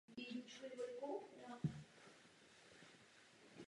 V neděli a ve svátky neměli Židé dovoleno opustit ghetto a obchodovat v obci.